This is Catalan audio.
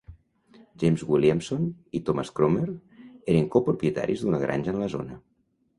James Williamson i Thomas Crummer eren copropietaris d'una granja en la zona.